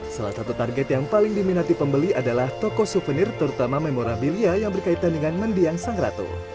salah satu target yang paling diminati pembeli adalah toko souvenir terutama memorabilia yang berkaitan dengan mendiang sang ratu